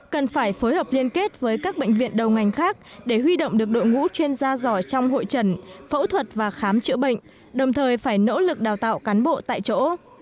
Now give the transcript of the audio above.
cần phải phối hợp liên kết với các bệnh viện đầu ngành khác để huy động được đội ngũ chuyên gia giỏi trong hội trần phẫu thuật và khám chữa bệnh đồng thời phải nỗ lực đào tạo cán bộ tại chỗ